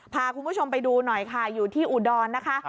พาคุณผู้ชมไปดูหน่อยค่ะอยู่ที่อุดรนะคะ